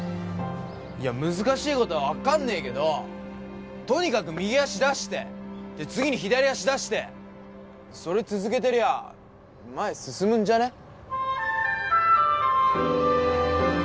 いや難しいことは分かんねえけどとにかく右足出して次に左足出してそれ続けてりゃ前進むんじゃね？